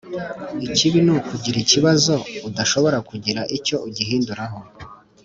Ikibi nukugira ikibazo udashobora kugira icyo ugihinduraho